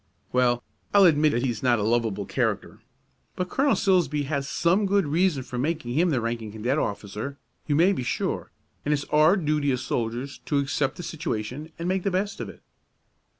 "Well, I'll admit that he's not a lovable character; but Colonel Silsbee had some good reason for making him the ranking cadet officer, you may be sure, and it's our duty as soldiers to accept the situation and make the best of it."